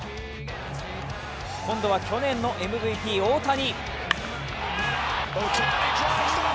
今度は去年のＭＶＰ・大谷。